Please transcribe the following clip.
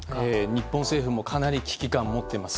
日本政府もかなり危機感を持っています。